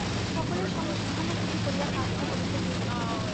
সকলের সঙ্গে সহানুভূতি করিয়া কার্য করিতে হইবে।